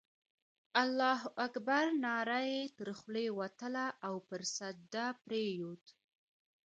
الله اکبر ناره یې تر خولې ووتله او پر سجده پرېوت.